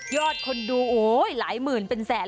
ยอดคนดูหลายหมื่นเป็นแสน